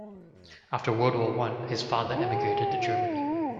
After World War One, his father emigrated to Germany.